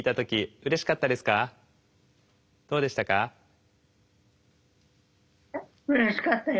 うれしかったよ。